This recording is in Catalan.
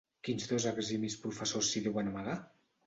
¿Quins dos eximis professors s'hi deuen amagar?